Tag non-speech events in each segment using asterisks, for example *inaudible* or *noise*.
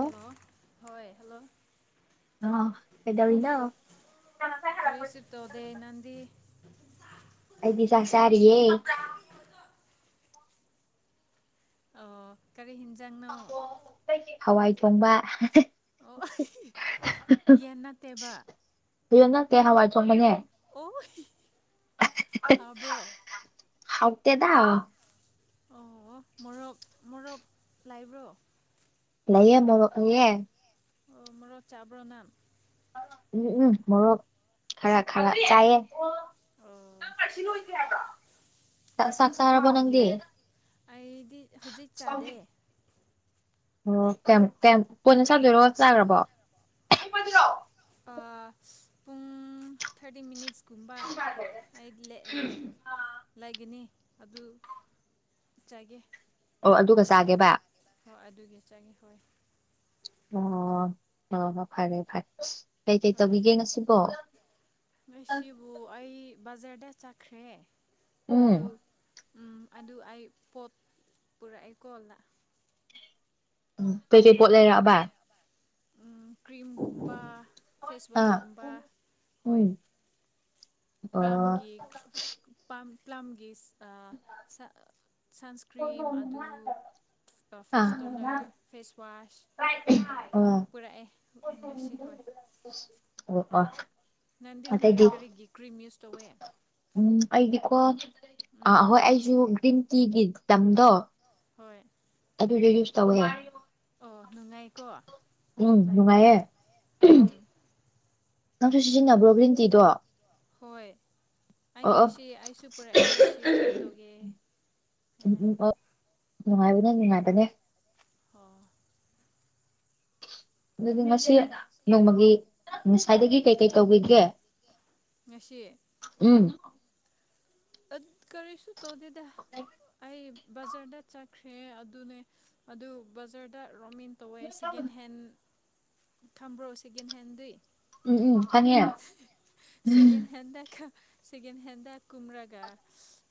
Hello ꯍꯣꯏ hello hello ꯀꯩꯗꯧꯔꯤꯅꫭ ꯀꯔꯤꯁꯨ ꯇꯧꯗꯦ ꯅꯪꯗꯤ ꯑꯩꯗꯤ ꯆꯥꯛ ꯆꯥꯔꯤꯌꯦ ꯑꯣ ꯀꯔꯤ ꯍꯤꯟꯖꯥꯡꯅꯣ ꯍꯋꯥꯏ ꯊꯣꯡꯕ ꯑꯣ ꯌꯦꯟ ꯅꯠꯇꯦꯕ ꯌ‌ꯦꯟ ꯅꯠꯇ‌ꯦ ꯍꯋꯥꯏ ꯊꫭꯡꯕꯅꯦ ꯑꯣ ꯍꯥꯎꯕ꯭ꯔꯣ ꯍꯥꯎꯇꯦꯗ ꯑꯣ ꯃꯣꯔꫭꯛ ꯃꯣꯔꫭꯛ ꯂꯩꯕ꯭ꯔꯣ ꯂꯩꯌꯦ ꯃꫭꯔꫭꯛ ꯂꯩꯌ‌ꯦ ꯑꯣ ꯃꯣꯔꫭꯛ ꯆꯥꯕ꯭ꯔꫭ ꯅꯪ ꯎꯝ ꯎꯝ ꯃꯣꯔꯣꯛ ꯈꯔ ꯈꯔ ꯆꯥꯏꯌ‌ꯦ ꯑꯣ ꯆꯥꯛ ꯆꯥꯔꯕꫭ ꯅꯪꯗꯤ ꯑꯩꯗꯤ ꯍꯧꯖꯤꯛ ꯆꯥꯗꯦ ꯑꯣ ꯀꯩꯌꯥꯝ ꯀꯩꯌꯥꯝ ꯀꫭꯟꯅ ꯆꯥꯗꯣꯏꯔꯣ ꯆꯥꯈ꯭ꯔꯥꯕꯣ ꯄꯑꯣ *unintelligible* ꯑꯥ ꯄꯨꯡ ꯊꯥꯔꯇꯤ ꯃꯤꯅꯤꯠꯁ ꯀꯨꯝꯕ ꯑꯩ ꯏꯂꯦ *unintelligible* ꯏꯜꯂꯦ *unintelligible* ꯂꯩꯒꯅꯤ ꯑꯗꯨ ꯆꯥꯒꯦ ꯑꯣ ꯑꯗꯨꯒ ꯆꯥꯒꯦꯕ ꯍꯣꯏ ꯑꯗꯨꯒ ꯆꯥꯒ‌ꯦ ꯍꯣꯏ ꯑꯣ ꯍꯣꯏ ꯍꯣꯏ ꯐꯔꯦ ꯐꯔꯦ ꯀꯩꯀꯩ ꯍꯣꯏ ꯇꯧꯕꯤꯒꯦ ꯉꯁꯤꯕꯣ ꯉꯁꯤꯕꯨ ꯑꯩ ꯕꯖꯥꯔꯗ ꯆꯠꯈ꯭ꯔꯦ ꯎꯝ ꯑꯗꯨ ꯎꯝ ꯑꯗꯨ ꯑꯩ ꯄꯣꯠ ꯄꯨꯔꯛꯑ‌ꯦꯀꯣ ꯂꯥꯛ ꯎꯝ ꯀꯩꯀꯩ ꯄꯣꯠ ꯂꯩꯔꯛꯑꯕ ꯎꯝ ꯀ꯭ꯔꯤꯝꯒꯨꯝꯕ ꯑꯥ ꯐꯦꯁꯋꯥꯁꯀꯨꯝꯕ ꯍꯣꯏ ꯍ *unintelligible* ꯑꯝꯒꯤ ꯄꯝ ꯄ꯭ꯂꯝꯒꯤ ꯑꯥ ꯁꯥ ꯁꯟꯁꯀ꯭ꯔꯤꯝ ꯑꯗꯨ ꯐꯦꯁ ꯇꯣꯅꯔ ꯐꯦꯁꯋꯥꯁ ꯇꯥꯏ ꯊꯥꯏ ꯄꯨꯔꯛꯑꯦ ꯉꯁꯤ ꯍꯣꯏ ꯑꯣ ꯑꯥ ꯅꯪꯗꯤ ꯀꯔꯤ ꯀꯔꯤꯒꯤ ꯀ꯭ꯔꯤꯝ ꯌꯨꯁ ꯇꯧꯋꯦ ꯎꯝ ꯑꯩꯗꯤꯀꯣ ꯑꯥ ꯎꯝ ꯍꯣꯏ ꯑꯩꯁꯨ ꯒ꯭ꯔꯤꯟ ꯇꯤꯒꯤ ꯇꯝꯗꯣ ꯍꯣꯏ ꯑꯗꯨꯖꯨ ꯌꯨꯁ ꯇꯧꯋꯦ ꯑꯣ ꯅꯨꯡꯉꯥꯏꯀꯣ ꯎꯝ ꯅꯨꯡꯉꯥꯏꯌꯦ ꯎꯝ ꯅꯪꯁꯨ ꯁꯤꯖꯤꯟꯅꯕ꯭ꯔꯣ ꯒ꯭ꯔꯤꯟ ꯇꯤꯗꯣ ꯍꯣꯏ ꯑꯩ ꯑꯣ ꯑꯣ ꯉꯁꯤ ꯑꯩꯁꯨ ꯄꯨꯔꯛꯑꯦ ꯉꯁꯤ ꯇ꯭ꯔꯥꯏ ꯇꯧꯒꯦ ꯎꯝ ꯍꯥꯏꯅ ꯎꯝ ꯅꯨꯡꯉꯥꯏꯕꯅꯦ ꯅꯨꯡꯉꯥꯏꯕꯅꯦ ꯍꯣꯏ ꯑꯗꯨꯗꯤ ꯉꯁꯤ ꯅꯣꯡꯃꯒꯤ ꯉꯁꯥꯏꯗꯒꯤ ꯀꯩꯀꯩ ꯇꯧꯒꯤꯒꯦ ꯉꯁꯤ ꯎꯝ ꯑꯠ ꯀꯔꯤꯁꯨ ꯇꯧꯗꯦꯗ ꯑꯩ ꯕꯖꯥꯔꯗ ꯆꯠꯈ꯭ꯔꯦ ꯑꯗꯨꯅꯦ ꯑꯗꯨ ꯕꯖꯥꯔꯗ ꯔꯣꯃꯤꯟ ꯇꯧꯋꯦ ꯁꯦꯀꯦꯟ ꯍꯦꯟ ꯈꯝꯕ꯭ꯔꯣ ꯁꯦꯀꯦꯟ ꯍꯦꯟꯗꯤ ꯎꯝ ꯎꯝ ꯈꯪꯉꯦ ꯁꯦꯀꯦꯟ ꯍꯦꯟꯗꯥ ꯈꯥ ꯁꯦꯀꯦꯟ ꯍꯦꯟꯗꯥ ꯀꯨꯝꯔꯥꯒ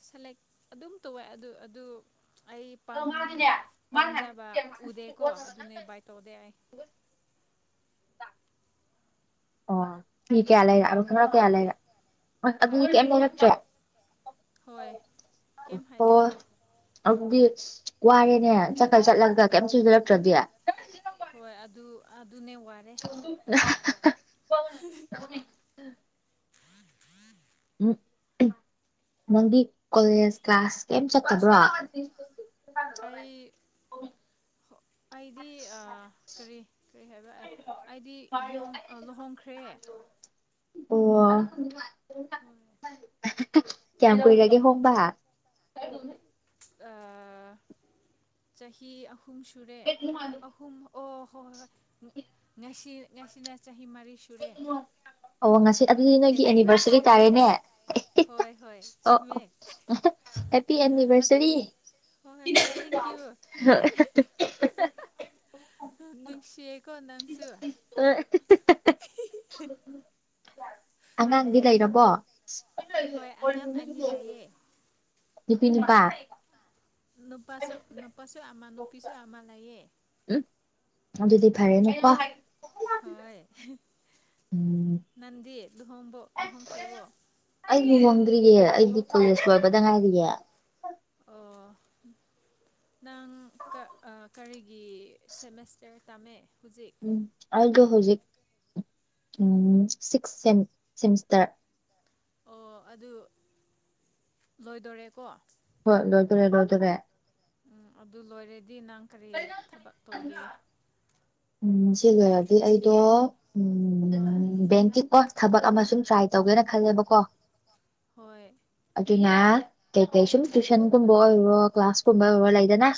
ꯁꯦꯂꯦꯛ ꯑꯗꯨꯝ ꯇꯧꯋꯦ ꯑꯗꯨ ꯑꯗꯨ ꯑꯩ ꯄꯥꯝ ꯄꯥꯝꯖꯕ ꯎꯗꯦꯀꯣ ꯑꯗꯨꯅꯦ ꯕꯥꯏ ꯇꯧꯗꯦ ꯑꯩ ꯑꯣ ꯐꯤ ꯀꯌꯥ ꯑꯄꯥꯝꯕ ꯂꯩꯔꯛꯑꯕ ꯄꯣꯠ ꯈꯪꯒ꯭ꯔꯥ ꯀꯌꯥ ꯎꯗꯦ ꯂꯩꯔꯦ ꯑꯥ ꯍꯥ ꯑꯗꯨꯗꯤ ꯀꯩꯝ ꯂꯩꯔꯛꯇ꯭ꯔꯦ ꯍꯣꯏ ꯀꯩꯝ ꯑꯣ ꯍꯥꯏꯗꯦ ꯑꯗꯨꯗꯤ ꯋꯥꯔꯦꯅꯦ ꯆꯠꯀꯩ ꯆꯠꯂꯒ ꯀꯩꯝ ꯁꯨ ꯂꯩꯔꯛꯇ꯭ꯔꯥꯗꯤ ꯍꯣꯏ ꯑꯗꯨ ꯑꯗꯨꯅꯦ ꯋꯥꯔꯦ *inaudible* *unintelligible* ꯎꯝ ꯃꯪꯗꯤ ꯀꯣꯂꯦꯖ ꯀ꯭ꯂꯥꯁ ꯀꯩꯝ ꯆꯠꯇꯕ꯭ꯔꯣ ꯑꯩ ꯑꯩꯗꯤ ꯑꯥ ꯀꯔꯤ ꯀꯔꯤ ꯍꯥꯏꯕ ꯑꯦ ꯑꯩꯗꯤ ꯌꯨꯝ ꯑꯥ ꯂꯨꯍꯣꯡꯈ꯭ꯔꯦ ꯑꯣ ꯍꯣꯏ ꯀꯌꯥꯝ ꯀꯨꯏꯔꯒꯦ ꯍꯣꯡꯕ ꯑꯥ ꯆꯍꯤ ꯑꯍꯨꯝ ꯁꯨꯔꯦ ꯑꯍꯨꯝ ꯑꯣ ꯍꯣꯏ ꯍꯣꯏ ꯉ ꯉꯁꯤ ꯉꯁꯤꯅ ꯆꯍꯤ ꯃꯔꯤ ꯁꯨꯔꯦ ꯑꯣ ꯉꯁꯤ ꯑꯗꯨꯗꯤ ꯅꯣꯏꯒꯤ ꯑꯦꯅꯤꯚꯔꯁꯔꯤ ꯑꯦꯅꯤꯚꯔꯁꯔꯤꯅꯦ ꯇꯥꯔꯦꯅꯦ ꯍꯣꯏ ꯍꯣꯏ ꯑꯣ ꯆꯨꯝꯃꯦ ꯑꯣ ꯍꯦꯄꯤ ꯑꯦꯅꯤꯚꯔꯁꯔꯤ ꯍꯣꯏ ꯍꯣꯏ ꯊꯦꯡꯀ꯭ꯌꯨ ꯅꯨꯡꯉꯥꯏ *unintelligible* ꯅꯨꯡꯁꯤꯌꯦꯀꯣ ꯅꯪꯁꯨ ꯑꯉꯥꯡꯗꯤ ꯂꯩꯔꯕꯣ ꯍꯣꯏ ꯑꯉꯥꯝ ꯑꯅꯤ ꯂꯩꯌꯦ ꯅꯨꯄꯤ ꯅꯤꯄꯥ ꯅꯨꯄꯥꯁꯨ ꯅꯨꯄꯥꯁꯨ ꯑꯃ ꯅꯨꯄꯤꯁꯨ ꯑꯃ ꯂꯩꯌꯦ ꯎꯝ ꯑꯗꯨꯗꯤ ꯐꯔꯦꯅꯦꯀꯣ ꯍꯣꯏ ꯎꯝ ꯅꯪꯗꯤ ꯂꯨꯍꯣꯡꯕꯣ ꯂꯨꯍꯣꯡꯈ꯭ꯔꯦꯕꯣ ꯑꯩꯗꯤ ꯂꯨꯍꯣꯡꯗ꯭ꯔꯤꯌꯦ ꯑꯩꯗꯤ ꯀꯣꯂꯦꯁ ꯂꯣꯏꯕꯗ ꯉꯥꯏꯔꯤꯌꯦ ꯑꯣ ꯅꯪ ꯀꯔꯤꯒꯤ ꯁꯦꯃꯦꯁꯇꯔ ꯇꯝꯃꯦ ꯍꯧꯖꯤꯛ ꯎꯝ ꯑꯩꯗꯣ ꯍꯧꯖꯤꯛ ꯎꯝ ꯁꯤꯛꯁ ꯁꯦꯃꯤꯁꯇꯔ ꯑꯣ ꯑꯗꯨ ꯂꯣꯏꯗꯣꯔꯦꯀꯣ ꯍꯣꯏ ꯂꯣꯏꯗꯣꯔꯦ ꯂꯣꯏꯗꯣꯔꯦ ꯎꯝ ꯑꯗꯨ ꯂꯣꯏꯔꯗꯤ ꯅꯪ ꯀꯔꯤ ꯊꯕꯛ ꯇꯧꯒꯦ ꯎꯝ ꯁꯤ ꯂꯣꯏꯔꯗꯤ ꯑꯩꯗꯣ ꯍꯣꯏ ꯎꯝ ꯕꯦꯡꯀꯤ ꯀꯣ ꯊꯕꯛ ꯑꯃ ꯁꯨꯝ ꯇ꯭ꯔꯥꯏ ꯇꯧꯒꯦꯅ ꯈꯜꯂꯦꯕꯀꯣ ꯍꯣꯏ ꯑꯗꯨꯅ ꯀꯩꯀꯩ ꯁꯨꯝ ꯇꯨꯏꯁꯟꯒꯨꯝꯕ ꯑꯣꯏꯔꯣ ꯀ꯭ꯂꯥꯁꯀꯨꯝꯕ ꯑꯣꯏꯔꯣ ꯂꯩꯗꯅ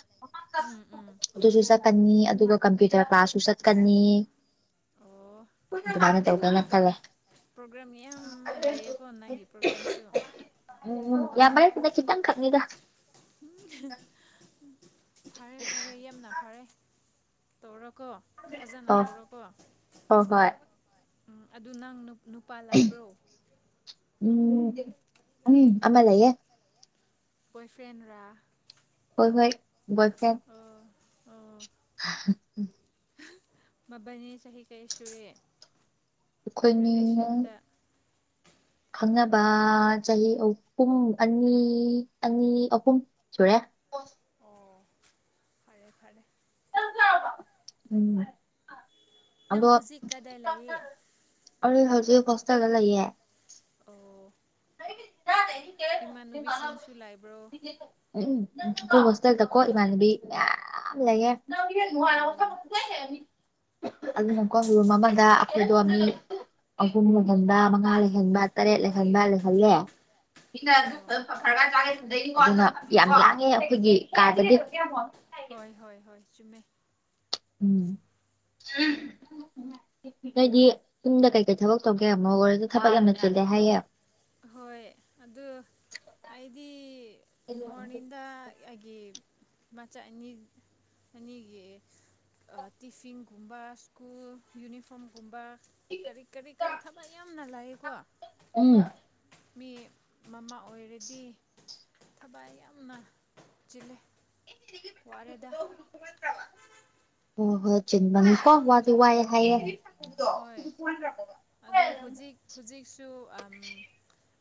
ꯎꯝ ꯎꯝ ꯑꯗꯨꯁꯨ ꯆꯠꯀꯅꯤ ꯑꯗꯨꯒ ꯀꯝꯄ꯭ꯌꯨꯇꯔ ꯀ꯭ꯂꯥꯁꯁꯨ ꯆꯠꯀꯅꯤ ꯑꯣ ꯑꯗꯨꯃꯥꯢꯅ ꯈꯥꯜꯂꯦ ꯄ꯭ꯔꯣꯒ꯭ꯔꯥꯝ ꯌꯥꯝ ꯂꯩꯌꯦꯀꯣ ꯅꯪꯒꯤ ꯄ꯭ꯔꯣꯒ꯭ꯔꯥꯝꯁꯨ ꯎꯝ ꯌꯥꯝꯕ ꯅꯠꯇꯦꯗꯥ ꯈꯤꯇꯪ ꯈꯛꯅꯤꯗ ꯐꯔꯦ ꯐꯔꯦ ꯌꯥꯝꯅ ꯐꯔꯦ ꯇꯧꯔꯣꯀꯣ ꯐꯖꯅ ꯑꯣ ꯇꯧꯔꯣꯀꯣ ꯍꯣꯏ ꯍꯣꯏ ꯎꯝ ꯑꯗꯨ ꯅꯪ ꯅꯨꯄꯥ ꯂꯥꯏꯕ꯭ꯔꯣ ꯎꯝ ꯎꯝ ꯑꯃ ꯂꯩꯌꯦ ꯕꯣꯏ ꯐ꯭ꯔꯦꯟ ꯔ ꯍꯣꯏ ꯍꯣꯏ ꯕꯣꯏ ꯐ꯭ꯔꯦꯟ ꯑꯣ ꯑꯣ *inaudible* ꯅꯕꯥꯟꯅꯤ ꯆꯍꯤ ꯀꯌꯥ ꯁꯨꯔꯦ ꯑꯩꯈꯣꯏꯅꯤ ꯔꯤꯂꯦꯁꯟꯗ ꯈꯪꯅꯕ ꯆꯍꯤ ꯑꯍꯨꯝ ꯑꯅꯤ ꯑꯅꯤ ꯑꯍꯨꯝ ꯁꯨꯔꯦ ꯑꯣ ꯐꯔꯦ ꯐꯔꯦ ꯎꯝ ꯅꯪ ꯑꯗꯣ ꯍꯧꯖꯤꯛ ꯀꯥꯢꯗ ꯂꯩꯌꯦ ꯑꯩ ꯍꯧꯖꯤꯛ ꯍꯣꯇꯦꯜ ꯗ ꯂꯩꯑꯦ ꯑꯣ ꯏꯃꯥꯟꯅꯕꯤꯁꯤꯡꯁꯨ ꯂꯩꯕ꯭ꯔꯣ ꯑꯈꯣꯏ ꯍꯣꯁꯇꯦꯜꯗꯀꯣ ꯏꯃꯥꯟꯅꯕꯤ ꯃꯌꯥꯝ ꯂꯩꯌꯦ ꯑꯣ ꯑꯗꯨꯅꯀꯣ ꯔꯨꯝ ꯑꯃꯗ ꯑꯩꯈꯣꯏꯗꯣ ꯃꯤ ꯑꯍꯨꯝ ꯂꯩꯍꯟꯕ ꯃꯉꯥ ꯂꯩꯍꯟꯕ ꯇꯔꯦꯠ ꯂꯩꯍꯟꯕ ꯂꯩꯍꯜꯂꯦ ꯑꯣ ꯌꯥꯝ ꯂꯥꯡꯉꯦ ꯑꯩꯈꯣꯏꯒꯤ ꯀꯥꯗꯗꯤ ꯍꯣꯏ ꯍꯣꯏ ꯍꯣꯏ ꯆꯨꯝꯃꯦ ꯎꯝ ꯅꯣꯏꯗꯤ ꯌꯨꯝꯗ ꯀꯩꯀꯩ ꯊꯕꯛ ꯇꯧꯒꯦ ꯃꯧ ꯑꯣꯏꯔꯁꯨ ꯊꯕꯛ ꯌꯥꯝꯅ ꯆꯜꯂꯦ ꯍꯥꯏꯌꯦ ꯍꯣꯏ ꯑꯗꯨ ꯑꯩꯗꯤ ꯃꯣꯔꯅꯤꯡꯗ ꯑꯩꯒꯤ ꯃꯆꯥ ꯑꯅꯤ ꯑꯅꯤꯒꯤ ꯇꯤꯐꯤꯟꯒꯨꯝꯕ ꯁ꯭ꯀꯨꯜ ꯌꯨꯅꯤꯐꯣꯔꯝꯒꯨꯝꯕ ꯀꯔꯤ ꯀꯔꯤ ꯀꯔꯤ ꯊꯕꯛ ꯌꯥꯝꯅ ꯂꯩꯌꯦꯀꯣ ꯑꯝ ꯃꯤ ꯃꯃꯥ ꯑꯣꯏꯔꯗꯤ ꯊꯕꯛ ꯌꯥꯝꯅ ꯆꯤꯜꯂꯦ ꯋꯥꯔꯦꯗꯥ ꯍꯣꯏ ꯍꯣꯏ ꯆꯤꯟꯕꯅꯤꯀꯣ ꯋꯥꯗꯤ ꯋꯥꯏ ꯍꯥꯏꯌꯦ ꯍꯣꯏ ꯑꯗꯨ ꯍꯨꯖꯤꯛ ꯍꯨꯖꯤꯛꯁꯨ ꯑꯝ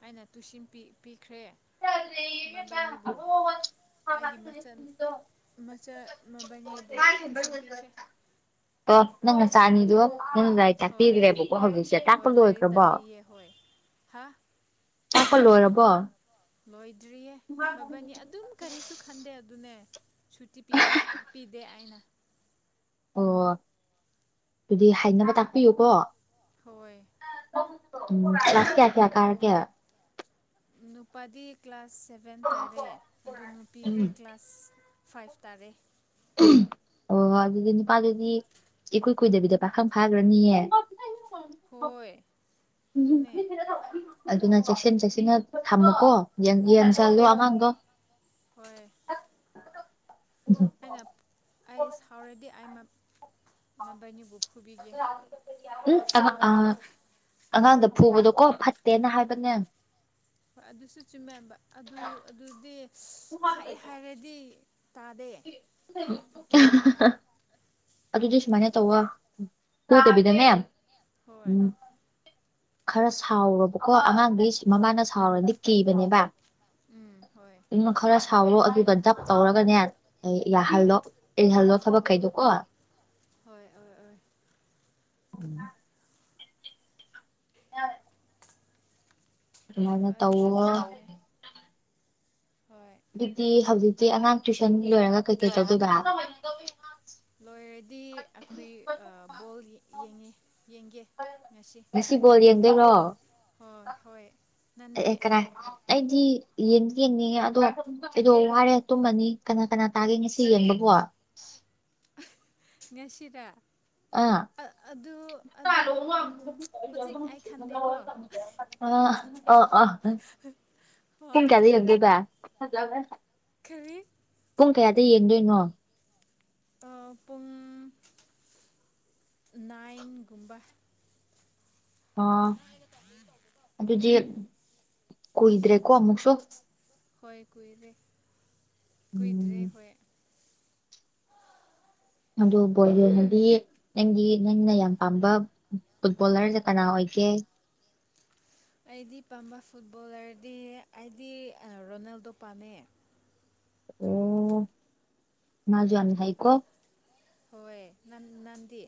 ꯑꯩꯅꯥ ꯇꯨꯏꯁꯤꯟ ꯄꯤ ꯄꯤꯈ꯭ꯔꯦ ꯃꯕꯥꯅꯤꯕꯨ ꯑꯩꯒꯤ ꯃꯆꯟ ꯃꯆꯥ ꯃꯕꯥꯟꯅꯤꯕꯨ ꯇꯨꯁꯤꯟ ꯄꯤꯈ꯭ꯔꯦ ꯑꯣ ꯅꯪ ꯅꯆꯥ ꯑꯅꯤꯗꯣ ꯅꯪꯅ ꯂꯥꯏꯔꯤꯛ ꯍꯣꯏ ꯇꯥꯛꯄꯤꯈ꯭ꯔꯦꯕꯀꯣ ꯍꯧꯖꯤꯛꯁꯦ ꯑ ꯇꯥꯛꯄ ꯍꯣꯏ ꯂꯥꯏꯔꯤꯛ ꯂꯣꯏꯈ꯭ꯔꯕꯣ ꯇꯥꯛꯄꯤꯌꯦ ꯍꯣꯏ ꯍꯥꯥ ꯇꯥꯛꯄ ꯂꯣꯏꯔꯕꯣ ꯂꯣꯏꯗ꯭ꯔꯤꯌꯦ ꯃꯕꯟꯅꯤ ꯑꯗꯨꯝ ꯀꯔꯤꯁꯨ ꯈꯟꯗꯦ ꯑꯗꯨꯅꯦ ꯁꯨꯇꯤ ꯄꯤꯈ꯭ꯔꯦ ꯄꯤꯗꯦ ꯑꯩꯅ ꯑꯣ ꯑꯗꯨꯗꯤ ꯍꯩꯅꯕ ꯇꯥꯛꯄꯤꯌꯨꯀꯣ ꯍꯣꯏ ꯀ꯭ꯂꯥꯁ ꯀꯌꯥ ꯀꯌꯥ ꯀꯥꯔꯒꯦ ꯅꯨꯄꯥꯗꯤ ꯀ꯭ꯂꯥꯁ ꯁꯚꯦꯟ ꯇꯥꯔꯦ ꯑꯗꯨ ꯅꯨꯄꯤꯗꯤ ꯎꯝ ꯀ꯭ꯂꯥꯁ ꯐꯥꯏꯚ ꯇꯥꯔꯦ ꯑꯣ ꯑꯗꯨ ꯑꯗꯨꯗꯤ ꯅꯨꯄꯥ ꯗꯨꯗꯤ ꯏꯀꯨꯏ ꯀꯨꯏꯗꯕꯤꯗ ꯄꯥꯈꯪ ꯐꯥꯒ꯭ꯔꯅꯤꯌꯦ ꯍꯣꯏ ꯑꯗꯨꯅꯦ ꯑꯗꯨꯅ ꯆꯦꯛꯁꯤꯟ ꯆꯦꯛꯁꯤꯟꯅ ꯊꯝꯃꯨꯀꯣ ꯌꯦꯡꯗꯤ ꯍꯣꯏ ꯌꯦꯡꯁꯜꯂꯣ ꯑꯉꯥꯡꯗꯣ ꯍꯣꯏ ꯑꯩꯅ ꯑꯩ ꯁꯥꯎꯔꯗꯤ ꯑꯩ ꯃ ꯃꯕꯥꯏꯅꯤꯕꯨ ꯎꯝ ꯑꯥ ꯑꯉꯥꯡꯗ ꯐꯨꯕꯗꯣ ꯀꯣ ꯐꯠꯇꯦꯅ ꯍꯥꯏꯕꯅꯦ ꯍꯣꯏ ꯑꯗꯨꯁꯨ ꯆꯨꯝꯃꯦꯕ ꯑꯗꯨ ꯑꯗꯨꯗꯤ ꯍꯥꯏ ꯍꯥꯏꯔꯗꯤ ꯇꯥꯗꯦ *unintelligible* ꯑꯗꯨꯗꯤ ꯁꯨꯃꯥꯏꯅ ꯇꯧꯋꯣ ꯐꯨꯗꯕꯤꯗꯅꯦ ꯍꯣꯏ ꯎꯝ ꯈꯔ ꯁꯥꯎꯔꯣꯕ ꯀꯣ ꯑꯉꯥꯡꯗꯤ ꯃꯃꯥꯅ ꯁꯥꯎꯔꯗꯤ ꯀꯤꯕꯅꯦꯕ ꯎꯝ ꯍꯣꯏ ꯅ ꯈꯔ ꯁꯥꯎꯔꯣ ꯑꯗꯨꯒ ꯗꯞ ꯇꯧꯔꯒꯅꯦ ꯍꯣꯏ ꯌꯥꯍꯜꯂꯣ ꯏꯜꯍꯜꯂꯣ ꯑꯣ ꯊꯕꯛꯈꯩꯗꯣꯀꯣ ꯍꯣꯏ ꯍꯣꯏ ꯍꯣꯏ ꯎꯝ ꯌꯥꯔꯦ ꯍꯣꯏ ꯑꯗꯨꯁꯨ ꯇꯧꯋꯣ ꯆꯨꯝꯃꯦ ꯍꯣꯏ ꯑꯗꯨꯗꯤ ꯍꯧꯖꯤꯛꯇꯤ ꯑꯉꯥꯡ ꯇꯨꯏꯁꯟꯒꯤ ꯂꯣꯏꯔꯒ ꯀꯩꯀꯩ ꯇꯧꯗꯣꯏꯕ ꯂꯣꯏꯔꯗꯤ ꯑꯈꯣꯏ ꯑ ꯕꯣꯜ ꯌꯦꯡꯉꯤ ꯌꯦꯡꯒꯦ ꯉꯁꯤ ꯁꯤ ꯕꯣꯜ ꯌꯦꯡꯗꯣꯏꯔꯣ ꯍꯣꯏ ꯍꯣꯏ ꯑꯦ ꯅꯪꯗꯤ ꯑꯦ ꯀꯔꯥꯏ ꯑꯩꯗꯤ ꯌꯦꯡꯗꯤ ꯌꯦꯡꯅꯤꯡꯉꯦ ꯑꯗꯣ ꯑꯩꯗꯣ ꯋꯥꯔꯦ ꯇꯨꯝꯃꯅꯤ ꯀꯅꯥ ꯀꯅꯥ ꯇꯥꯒꯦ ꯉꯁꯤ ꯌꯦꯡꯕꯕꯣ ꯉꯁꯤꯔꯥ ꯑꯥ ꯑꯗꯨ ꯑꯗꯨ ꯍꯨꯖꯤꯛ ꯑꯩ ꯈꯟꯗꯦꯀꯣ ꯑ ꯑ ꯑ ꯄꯨꯡ ꯍꯣꯏ ꯀꯌꯥꯗ ꯌꯦꯡꯗꯣꯏꯕ *unintelligible* ꯈꯔꯤ ꯄꯨꯡ ꯀꯌꯥꯗ ꯌꯦꯡꯗꯣꯏꯅꯣ ꯑꯥ ꯄꯨꯡ ꯅꯥꯏꯟꯒꯨꯝꯕ ꯑꯥ *unintelligible* ꯑꯗꯨꯗꯤ ꯀꯨꯏꯗ꯭ꯔꯦꯀꯣ ꯑꯃꯨꯛꯁꯨ ꯍꯣꯏ ꯀꯨꯏꯗ꯭ꯔꯦ ꯀꯨꯏꯗ꯭ꯔꯦ ꯎꯝ ꯍꯣꯏ ꯑꯗꯨ *unintelligible* ꯍꯥꯏꯗꯤ ꯅꯪꯒꯤ ꯅꯪꯅ ꯌꯥꯝ ꯄꯥꯝꯕ ꯐꯨꯠꯕꯣꯂꯔꯁꯦ ꯀꯅꯥ ꯑꯣꯏꯒꯦ ꯑꯩꯗꯤ ꯄꯥꯝꯕ ꯐꯨꯠꯕꯣꯂꯔꯗꯤ ꯑꯩꯗꯤ ꯔꯣꯅꯥꯜꯗꯣ ꯄꯥꯝꯃꯦ ꯑꯣ ꯃꯥꯖꯨ ꯍꯣꯏ ꯌꯥꯝ ꯍꯩꯀꯣ ꯍꯣꯏ ꯅꯪ ꯅꯪꯗꯤ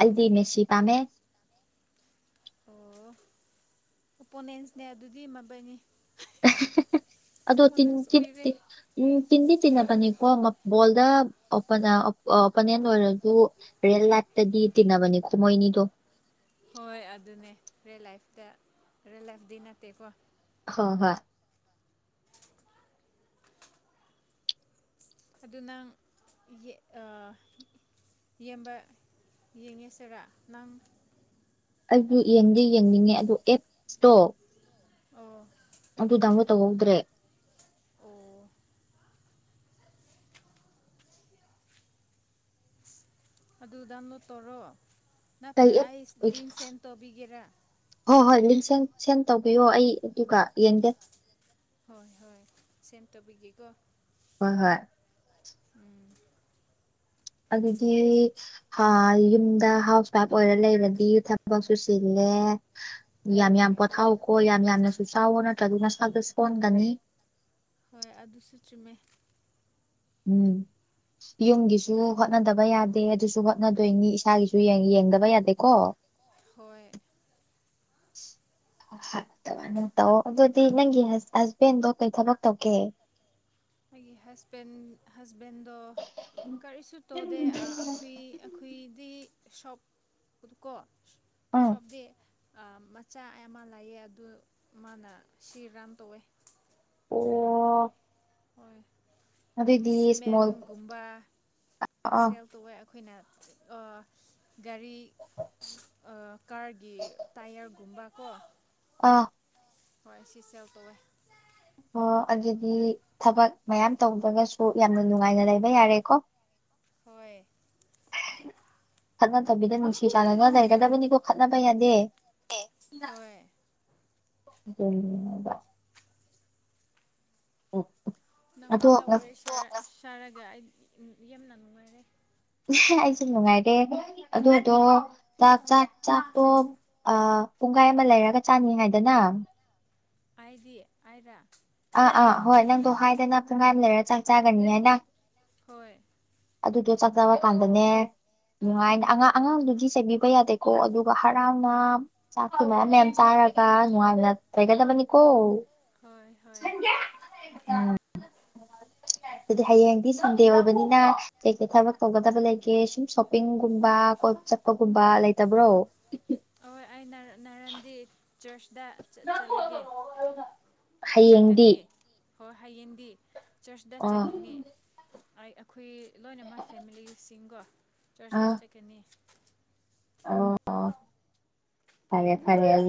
ꯑꯩꯗꯤ ꯃꯦꯁꯤ ꯄꯥꯝꯃꯦ ꯑꯣ ꯑꯣꯄꯣꯅꯦꯟꯁꯅꯦ ꯑꯗꯨꯗꯤ ꯃꯕꯥꯅꯤ ꯑꯗꯣ ꯇꯤꯟ ꯑꯣꯄꯣꯅꯦꯟꯁ ꯇꯤꯟ ꯑꯣꯏꯔꯦ ꯎꯝ ꯇꯤꯟꯗꯤ ꯇꯤꯟꯅꯕꯅꯤꯀꯣ ꯕꯣꯜꯗ ꯑꯣꯄꯣꯅꯦꯟ ꯑꯣꯏꯔꯁꯨ ꯔꯦꯜ ꯂꯥꯏꯐꯇꯗꯤ ꯇꯤꯟꯅꯕꯅꯤ ꯃꯣꯏꯅꯤꯗꯣ ꯍꯣꯏ ꯑꯗꯨꯅꯦ ꯔꯤꯌꯜ ꯂꯥꯏꯐꯇ ꯔꯤꯌꯜ ꯂꯥꯏꯐꯗꯤ ꯅꯠꯇꯦꯀꯣ ꯍꯣꯏ ꯍꯣꯏ ꯑꯗꯨ ꯅꯪ ꯌꯦꯡꯕ ꯌꯦꯡꯉꯦꯁꯤꯔꯥ ꯅꯪ ꯑꯩꯗꯤ ꯌꯦꯡꯗꯤ ꯌꯦꯡꯅꯤꯡꯉꯦ ꯑꯗꯣ ꯑꯦꯞꯁꯇꯣ ꯑꯣ ꯑꯗꯨ ꯗꯥꯎꯟꯂꯣꯗ ꯇꯧꯍꯧꯗ꯭ꯔꯦ ꯑꯣ ꯑꯗꯨ ꯗꯥꯎꯟꯂꯣꯗ ꯇꯧꯔꯣ ꯀꯩ ꯅꯠꯇ꯭ꯔ ꯑꯦꯞ ꯑꯩ ꯑꯣꯏꯒꯦ? ꯂꯤꯛ ꯁꯦꯟ ꯇꯧꯕꯤꯒꯦꯔꯥ ꯍꯣꯏ ꯍꯣꯏ ꯂꯤꯡꯁ ꯁꯦꯟ ꯁꯦꯟ ꯇꯧꯕꯤꯌꯣ ꯑꯩ ꯑꯗꯨꯒ ꯌꯦꯡꯒꯦ ꯍꯣꯏ ꯍꯣꯏ ꯁꯦꯟ ꯇꯧꯕꯤꯒꯦꯀꯣ ꯍꯣꯏ ꯍꯣꯏ ꯎꯝ ꯑꯗꯨꯗꯤ ꯍꯥ ꯌꯨꯝꯗ ꯍꯥꯎꯁ ꯋꯥꯏꯐ ꯑꯣꯏꯔ ꯂꯩꯔꯗꯤ ꯊꯕꯛꯁꯨꯨ ꯆꯤꯜꯂꯦ ꯌꯥꯝ ꯌꯥꯝ ꯍꯣꯏ ꯄꯣꯊꯥꯎꯈꯣ ꯌꯥꯝ ꯌꯥꯝꯅꯁꯨ ꯆꯥꯎꯒꯣ ꯅꯠꯇ꯭ꯔꯗꯤ ꯅꯁꯥꯗꯣ ꯁꯣꯟꯒꯅꯤ ꯍꯣꯏ ꯑꯗꯨꯁꯨ ꯆꯨꯝꯃꯦ ꯎꯝ ꯌꯨꯝꯒꯤꯁꯨ ꯍꯣꯠꯅꯗꯕ ꯌꯥꯗꯦ ꯑꯗꯨꯁꯨ ꯍꯣꯠꯅꯗꯣꯏꯅꯤ ꯏꯁꯥꯒꯤꯁꯨ ꯌꯦꯡ ꯌꯦꯡꯗꯕ ꯌꯥꯗꯦꯀꯣ ꯍꯣꯏ ꯇꯧꯑꯣ ꯑꯗꯨꯗꯤ ꯅꯪꯒꯤ ꯍꯁꯕꯦꯟꯗꯣ ꯀꯩ ꯊꯕꯛ ꯇꯧꯒꯦ ꯑꯩꯒꯤ ꯍꯁꯕꯦꯟ ꯍꯁꯕꯦꯟꯗꯣ ꯀꯔꯤꯁꯨ ꯇꯣꯗꯦ ꯑ ꯑꯩꯈꯣꯏ ꯑꯩꯈꯣꯢꯗꯤ ꯁꯣꯕ ꯀꯣ ꯎꯝ ꯁꯣꯕꯗꯦ ꯑ ꯃꯆꯥ ꯑꯃ ꯂꯩꯌꯦ ꯑꯗꯨ ꯃꯥꯅ ꯁꯤ ꯔꯥꯟ ꯇꯧꯋꯦ ꯑꯣ ꯍꯣꯏ ꯑꯗꯨꯏꯗꯤ ꯏꯁꯃꯣꯜ ꯁꯤꯃꯦꯟꯒꯨꯝꯕ ꯑꯥ ꯁꯦꯜ ꯇꯧꯋꯦ ꯑꯩꯈꯣꯏꯅ ꯑꯥ ꯒꯥꯔꯤ ꯑ ꯀꯥꯔꯒꯤ ꯇꯥꯏꯌꯔꯒꯨꯝꯕ ꯀꯣ ꯑꯥ ꯍꯣꯏ ꯑꯁꯤ ꯁꯦꯜ ꯇꯧꯋꯦ ꯑꯣ ꯑꯗꯨꯗꯤ ꯊꯕꯛ ꯃꯌꯥꯝ ꯇꯧꯗ꯭ꯔꯒꯁꯨ ꯌꯥꯝꯅ ꯅꯨꯡꯉꯥꯏꯅ ꯂꯩꯕ ꯌꯥꯔꯦꯀꯣ ꯍꯣꯏ ꯈꯠꯅꯗꯕꯤꯗ ꯅꯨꯡꯁꯤ ꯆꯥꯟꯅꯅ ꯂꯩꯒꯗꯕꯅꯤꯀꯣ ꯈꯠꯅꯕ ꯌꯥꯗꯦ ꯍꯣꯏ ꯗꯨꯅꯤꯕꯥ *unintelligible* ꯑꯩꯉꯣꯟꯗ ꯉꯁꯤ ꯋꯥꯔꯤ ꯁꯥ ꯁꯥꯔꯒ ꯌꯥꯝꯅ ꯅꯨꯡꯉꯥꯏꯔꯦ ꯑꯩꯁꯨ ꯅꯨꯡꯉꯥꯏꯔꯦ ꯑꯗꯨꯗꯣ ꯆꯥꯛ ꯆꯥꯛ ꯆꯥꯛꯇꯣ ꯑꯥ ꯄꯨꯡꯒꯥꯏ ꯑꯃ ꯂꯩꯔꯒ ꯆꯥꯅꯤ ꯍꯥꯏꯗꯅ ꯑꯥꯏꯗꯤ ꯑꯥꯏꯔ ꯑꯥ ꯑꯥ ꯍꯣꯏ ꯅꯪꯗꯣ ꯍꯥꯏꯗꯅ ꯄꯨꯡꯒꯥꯏ ꯑꯝ ꯂꯩꯔ ꯆꯥꯛ ꯆꯥꯒꯅꯤ ꯍꯥꯏꯅ ꯍꯣꯏ ꯑꯗꯨꯗꯣ ꯆꯥꯛ ꯆꯥꯕ ꯀꯥꯟꯗꯅꯦ ꯅꯨꯡꯉꯥꯏꯅ ꯑꯉꯥꯡ ꯑꯉꯥꯡꯗꯨꯒꯤ ꯆꯩꯕꯤꯕ ꯌꯥꯗꯦꯀꯣ ꯑꯗꯨꯒ ꯍꯔꯥꯎꯅꯥ ꯆꯥꯛꯇꯣ ꯃꯌꯥꯝ ꯃꯌꯥꯝ ꯆꯥꯔꯒ ꯅꯨꯡꯉꯥꯏꯅ ꯂꯩꯒꯗꯕꯅꯤꯀꯣ ꯍꯣꯏ ꯍꯣ *unintelligible* ꯎꯝ ꯗꯨꯗꯤ ꯍꯌꯦꯡꯗꯤ ꯁꯟꯗꯦ ꯑꯣꯏꯕꯅꯤꯅ ꯀꯩꯀꯩ ꯊꯕꯛ ꯇꯧꯒꯗꯕ ꯂꯩꯒꯦ ꯁꯨꯝ ꯁꯣꯞꯄꯤꯡꯒꯨꯝꯕ ꯀꯣꯏꯕ ꯆꯠ ꯄꯒꯨꯝꯕ ꯂꯩꯇꯕ꯭ꯔꯣ *unintelligible* ꯑꯩ ꯅꯔ ꯅꯔꯟꯗꯤ ꯆꯔꯆꯇ ꯆꯥ ꯆꯠꯂꯒꯦ ꯍꯌꯦꯡꯗꯤ ꯆꯠꯀꯅꯤ ꯍꯣꯏ ꯍꯌꯦꯟꯗꯤ ꯆꯔꯆꯇ ꯑꯣ ꯆꯠꯀꯅꯤ ꯑꯩ ꯑꯩꯈꯣꯏ ꯂꯣꯏꯅꯃꯥ ꯐꯦꯃꯤꯂꯤꯁꯤꯡꯒꯣ ꯆꯔꯆꯇ ꯆꯠꯀꯅꯤ ꯑꯣ ꯐꯔꯦ ꯐꯔꯦ ꯑꯗꯨ